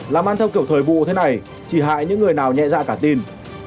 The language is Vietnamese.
làm ăn theo kiểu thời vụ thế này chỉ hại những người nào nhẹ dạ cả tin